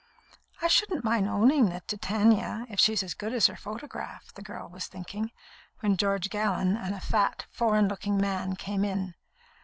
"I shouldn't mind owning the Titania, if she's as good as her photograph," the girl was thinking, when George Gallon and a fat, foreign looking man came in.